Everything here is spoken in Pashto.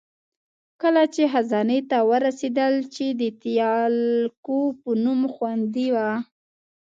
کله چې خزانې ته ورسېدل، چې د تیالکو په نوم خوندي وه.